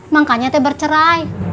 makanya teh bercerai